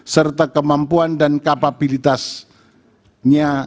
serta kemampuan dan kapabilitasnya